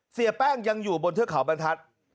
เสียแป้งยังอยู่บนเทือกเขาบรรทัศน์